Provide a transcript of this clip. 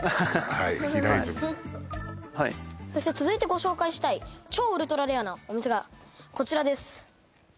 はい飛良泉そして続いてご紹介したい超ウルトラレアなお店がこちらです